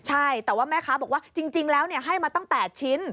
ใช่แต่ว่าแม่ค้าบอกว่าจริงแล้วให้มาตั้ง๘ชิ้น